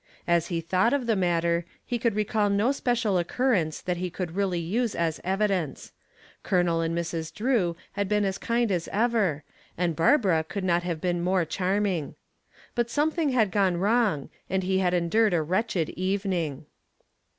As he thought of the matter he could recall no special occurrence that he could really use as evidence. Colonel and Mrs. Drew had been as kind as ever and Barbara could not have been more charming. But something had gone wrong and he had endured a wretched evening.